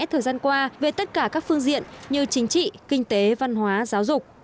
thời gian qua về tất cả các phương diện như chính trị kinh tế văn hóa giáo dục